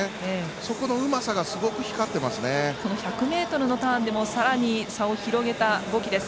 そこのうまさが１００ｍのターンでもさらに差を広げたボキです。